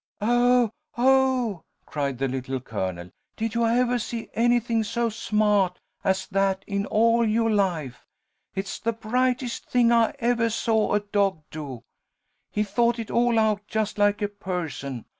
"Oh! Oh!" cried the Little Colonel. "Did you evah see anything so sma'ht as that in all yo' life? It's the brightest thing I evah saw a dog do. He thought it all out, just like a person.